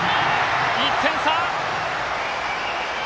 １点差！